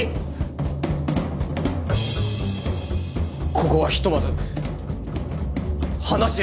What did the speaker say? ここはひとまず話し合いだ！